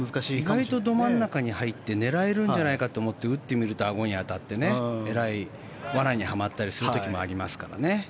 意外と、ど真ん中に入って狙えるんじゃないかと思って打つとアゴに当たって罠にはまったりするときもありますから。